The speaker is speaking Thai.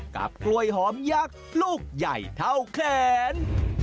กล้วยหอมยักษ์ลูกใหญ่เท่าแขน